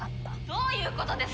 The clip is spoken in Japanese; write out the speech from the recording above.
どういうことですか？